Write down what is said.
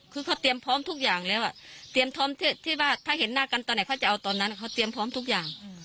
คือเขาเตรียมพร้อมทุกอย่างแล้วเตรียมพร้อมที่ว่าถ้าเห็นหน้ากันตอนไหนเขาจะเอาตอนนั้นเขาเตรียมพร้อมทุกอย่าง